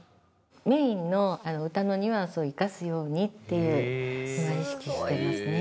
メインの歌のニュアンスを生かすようにっていうのは意識してますね。